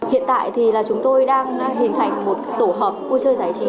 hiện tại thì là chúng tôi đang hình thành một tổ hợp vui chơi giải trí